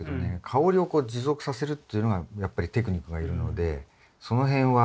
香りをこう持続させるっていうのがやっぱりテクニックがいるのでそのへんは。